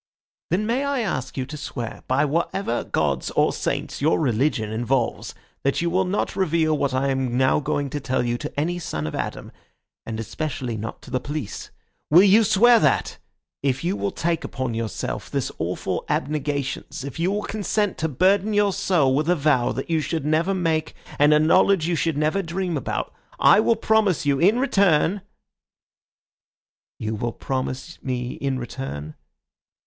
"Then may I ask you to swear by whatever gods or saints your religion involves that you will not reveal what I am now going to tell you to any son of Adam, and especially not to the police? Will you swear that! If you will take upon yourself this awful abnegation if you will consent to burden your soul with a vow that you should never make and a knowledge you should never dream about, I will promise you in return—" "You will promise me in return?"